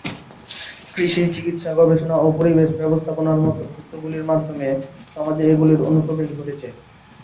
কৃষি, চিকিৎসা, গবেষণা ও পরিবেশ ব্যবস্থাপনার মতো ক্ষেত্রগুলির মাধ্যমে সমাজে এগুলির অনুপ্রবেশ ঘটেছে।